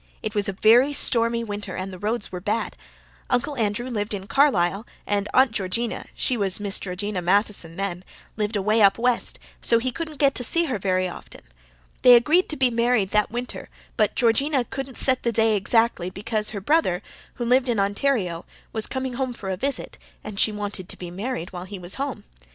It was a very stormy winter and the roads were bad. Uncle Andrew lived in Carlisle, and Aunt Georgina she was Miss Georgina Matheson then lived away up west, so he couldn't get to see her very often. They agreed to be married that winter, but Georgina couldn't set the day exactly because her brother, who lived in Ontario, was coming home for a visit, and she wanted to be married while he was home.